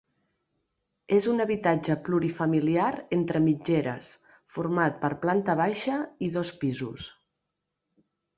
És un habitatge plurifamiliar entre mitgeres, format per planta baixa i dos pisos.